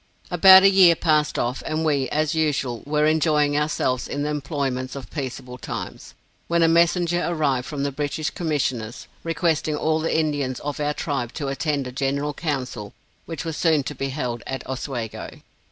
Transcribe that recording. About a year passed off, and we, as usual, were enjoying ourselves in the employments of peaceable times, when a messenger arrived from the British Commissioners, requesting all the Indians of our tribe to attend a general council which was soon to be held at Oswego.